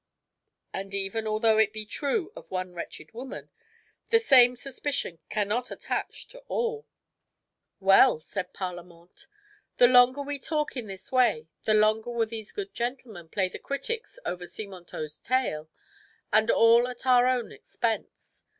And even although it be true of one wretched woman, the same suspicion cannot attach to all." "Well," said Parlamente, "the longer we talk in this way, the longer will these good gentlemen play the critics over Simontault's tale, and all at our own expense.